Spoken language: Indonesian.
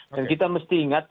dan kita mesti ingat